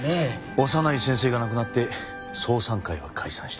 小山内先生が亡くなって双三会は解散した。